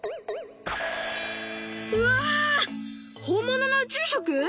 うわ本物の宇宙食？